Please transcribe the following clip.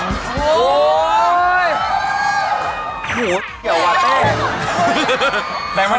โหน่บเหอะวะเต้น